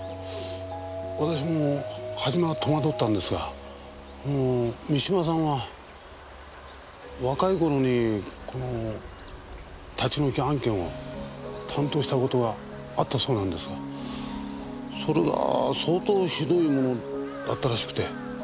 私も初めは戸惑ったんですがあの三島さんは若い頃にこの立ち退き案件を担当したことがあったそうなんですがそれが相当ひどいものだったらしくて。